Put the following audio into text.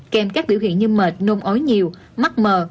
kèm các biểu hiện như mệt nôn ói nhiều mắc mờ